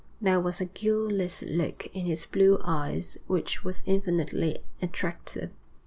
There was a guileless look in his blue eyes which was infinitely attractive.